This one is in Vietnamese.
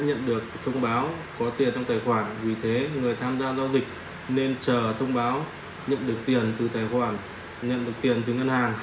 ngân hàng sẽ được thông báo có tiền trong tài khoản vì thế người tham gia giao dịch nên chờ thông báo nhận được tiền từ tài khoản nhận được tiền từ ngân hàng